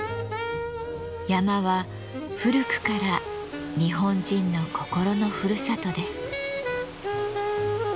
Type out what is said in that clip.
山は古くから日本人の心のふるさとです。